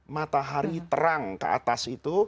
matahari terang ke atas itu